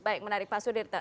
baik menarik pak sudir